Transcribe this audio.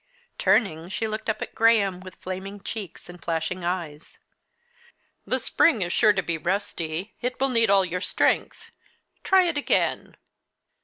Turning, she looked up at Graham with flaming cheeks and flashing eyes. "The spring is sure to be rusty. It will need all your strength. Try it again."